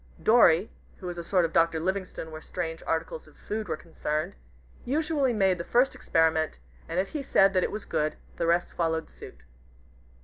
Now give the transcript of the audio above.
Dorry, who was a sort of Dr. Livingstone where strange articles of food were concerned, usually made the first experiment, and if he said that it was good, the rest followed suit.